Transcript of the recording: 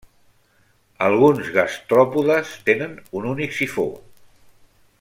Alguns gastròpodes tenen un únic sifó.